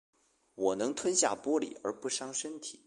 我能吞下玻璃而不伤身体